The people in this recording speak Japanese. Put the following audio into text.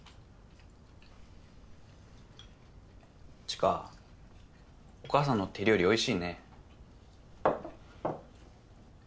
知花お母さんの手料理おいしいね。